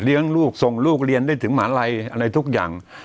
ลูกส่งลูกเรียนได้ถึงหมาลัยอะไรทุกอย่าง